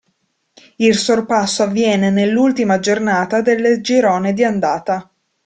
Il sorpasso avviene nell'ultima giornata del girone di andata.